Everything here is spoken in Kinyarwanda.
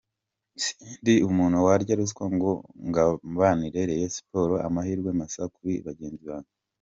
Sindi umuntu warya ruswa ngo ngambanire Rayon Sports…Amahirwe masa kuri bagenzi banjye.